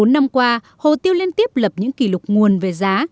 bốn năm qua hồ tiêu liên tiếp lập những kỷ lục nguồn về giá